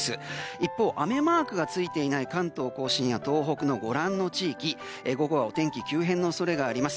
一方、雨マークがついていない関東・甲信や東北のご覧の地域午後はお天気、急変の恐れがあります。